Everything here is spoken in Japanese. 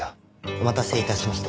お待たせ致しました。